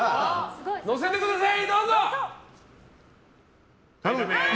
載せてください！